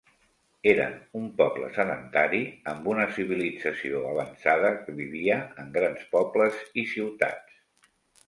Eren un poble sedentari amb una civilització avançada que vivia en grans pobles i ciutats.